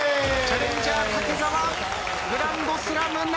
チャレンジャー武沢グランドスラムならず。